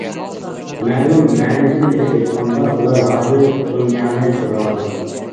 مەلۇم مەنىدىن ئېلىپ ئېيتقاندا، ئۇلار ھازىر دۇنيانى سوراۋاتىدۇ.